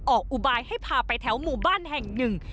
อุบายให้พาไปแถวหมู่บ้านแห่งหนึ่ง